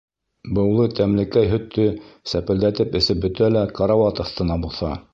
Быулы тәмлекәй һөттө сәпелдәтеп эсеп бөтә лә карауат аҫтына боҫа.